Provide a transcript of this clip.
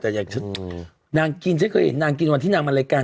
แต่อยากนางกินฉันเคยเห็นนางกินวันที่นางมารายการ